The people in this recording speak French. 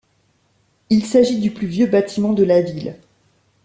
Il s'agit du plus vieux bâtiment de la ville.